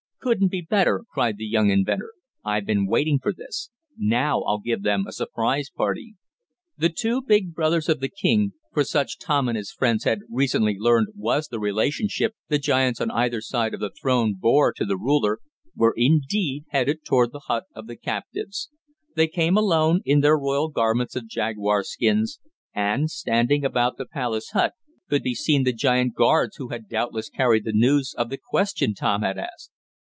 "Couldn't be better!" cried the young inventor. "I've been waiting for this. Now I'll give them a surprise party." The two big brothers of the king, for such Tom and his friends had recently learned was the relationship the giants on either side of the "throne" bore to the ruler, were indeed headed toward the hut of the captives. They came alone, in their royal garments of jaguar skins, and, standing about the palace hut, could be seen the giant guards who had doubtless carried the news of the question Tom had asked.